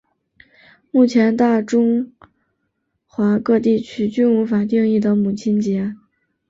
目前大中华各地区均无法定的母亲节。